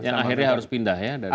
yang akhirnya harus pindah ya